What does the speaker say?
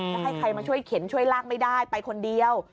จะให้ใครมาช่วยเข็นช่วยลากไม่ได้ไปคนเดียว